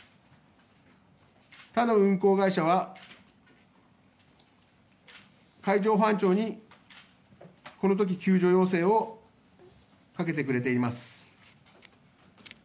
他の運航会社は海上保安庁にこの時、救助要請をかけてくれています。